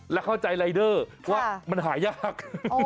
และเข้าใจรายเดอร์ว่ามันหายาก